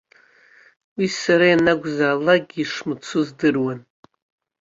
Уи сара ианакәызаалакгьы ишымцу здыруан!